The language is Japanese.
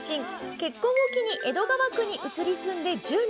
結婚を機に江戸川区に移り住んで１０年。